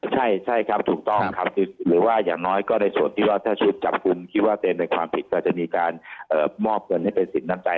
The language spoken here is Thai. ใช่ครับถูกต้องครับหรือว่าอย่างน้อยก็ในส่วนที่ว่าถ้าชุดจับกลุ่มคิดว่าเป็นในความผิดก็จะมีการมอบเงินให้เป็นสินน้ำใจ